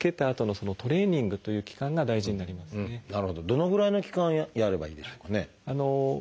どのぐらいの期間やればいいんでしょうかね？